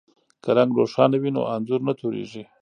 که رنګ روښانه وي نو انځور نه توریږي.